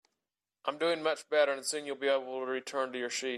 I'm doing much better, and soon you'll be able to return to your sheep.